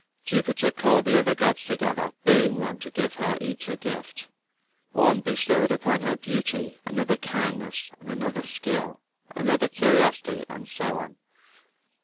Jupiter called the other gods together, bidding them give her each a gift. One bestowed upon her beauty, another, kindness, another, skill, another, curiosity, and so on.